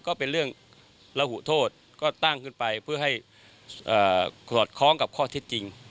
ก็เป็นเรื่องระหุโทษก็ตั้งขึ้นไปเพื่อให้สอดคล้องกับข้อเท็จจริง